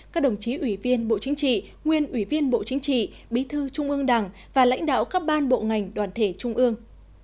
các đồng chí ủy viên bộ chính trị nguyên ủy viên bộ chính trị bí thư trung ương đảng và lãnh đạo các ban bộ ngành đoàn thể trung ương